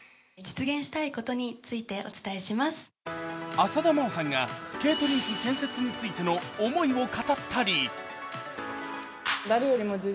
浅田真央さんがスケートリンク建設についての思いを語ったり。